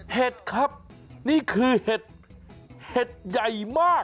เห็ดครับนี่คือเห็ดเห็ดใหญ่มาก